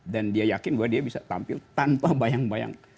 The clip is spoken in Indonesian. dan dia yakin dia bisa tampil tanpa bayang bayang